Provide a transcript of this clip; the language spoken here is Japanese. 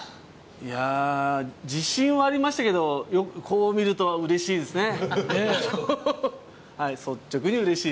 いや自信はありましたけどこう見ると嬉しいですね